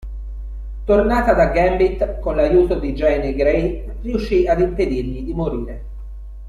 Tornata da Gambit, con l'aiuto di Jean Grey, riuscì ad impedirgli di morire.